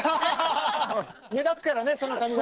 目立つからねその髪形。